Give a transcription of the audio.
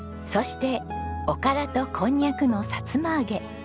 そしておからとこんにゃくのさつま揚げ。